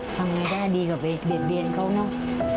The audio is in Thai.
ทำอย่างไรด้วยดีกว่าไปเบียดเบียนเขานะ